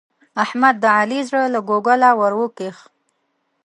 احمد د علي زړه له کوګله ور وکېښ.